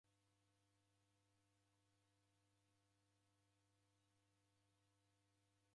W'andu w'atini ni suti w'isighane na w'ujambazi.